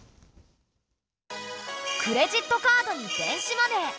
クレジットカードに電子マネー。